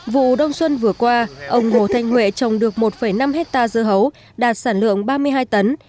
vụ đông xuân vừa qua ông hồ thanh huệ trồng được một năm hectare dưa hấu đạt sản lượng ba mươi hai tấn